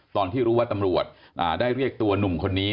ตอนที่รู้ว่าตำรวจได้เรียกตัวหนุ่มคนนี้